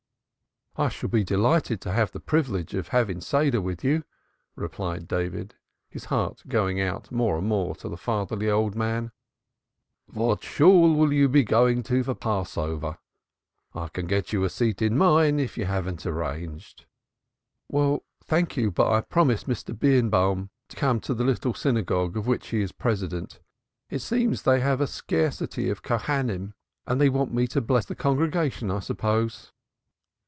"I shall be delighted to have the privilege of having Seder with you," replied David, his heart going out more and more to the fatherly old man. "What Shool will you be going to for Passover? I can get you a seat in mine if you haven't arranged." "Thank you, but I promised Mr. Birnbaum to come to the little synagogue of which he is President. It seems they have a scarcity of Cohenim, and they want me to bless the congregation, I suppose."